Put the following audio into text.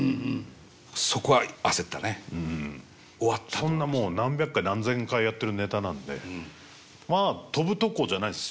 そんなもう何百回何千回やってるネタなんでまあ飛ぶとこじゃないです。